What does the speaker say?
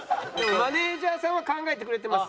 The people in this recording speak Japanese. マネージャーさんは考えてくれてます。